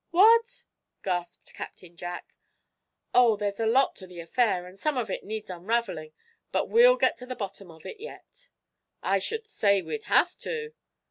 "What?" gasped Captain Jack. "Oh, there's a lot to the affair, and some of it needs unraveling, but we'll get to the bottom of it yet." "I should say we'd have to!"